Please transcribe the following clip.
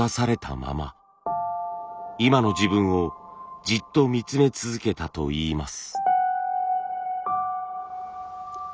今の自分をじっと見つめ続けたといいます。